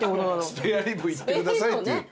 スペアリブいってくださいっていう。